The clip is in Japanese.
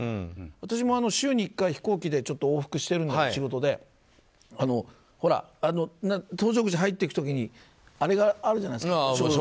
私も週に１回、飛行機で仕事で往復してるんですけど搭乗口に入っていく時に消毒液があるじゃないですか。